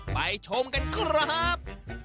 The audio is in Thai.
ชมกันครับ